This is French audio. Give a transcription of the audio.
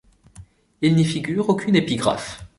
Il n'y figure aucune épigraphe.